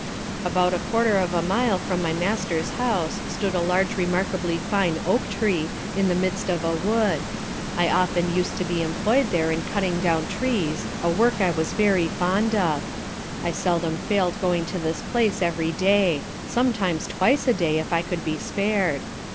About a quarter of a mile from my Master's house stood a large remarkably fine Oak tree, in the midst of a wood; I often used to be employed there in cutting down trees, (a work I was very fond of) I seldom failed going to this place every day; sometimes twice a day if I could be spared.